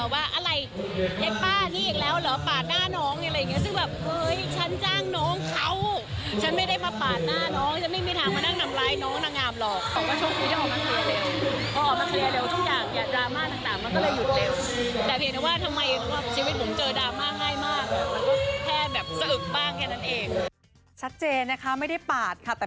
ว่าอะไรไอ้ป้านี่อีกแล้วเหรอปาดหน้าน้องอะไรอย่างนี้